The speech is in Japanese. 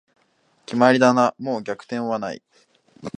決まりだな、もう逆転はない